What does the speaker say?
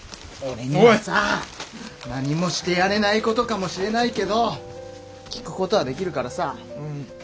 俺にはさ何もしてやれないことかもしれないけど聞くことはできるからさ。